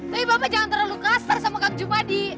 tapi pak jangan terlalu kasar sama kak jumadi